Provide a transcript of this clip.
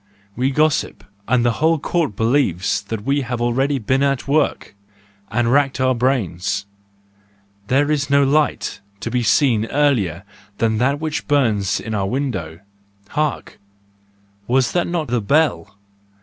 We gossip, and the whole court believes that we have already been at work and racked our brains : there is no light to be seen earlier than that which burns in our window.—Hark! Was that not the bell?